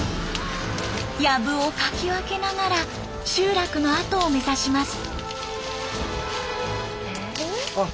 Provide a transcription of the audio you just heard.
やぶをかき分けながら集落の跡を目指します。